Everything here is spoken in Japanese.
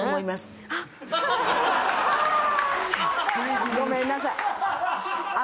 でもごめんなさい。